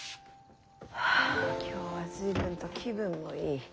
ああ今日は随分と気分もいい。